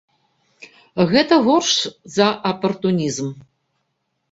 Гэта горш за апартунізм!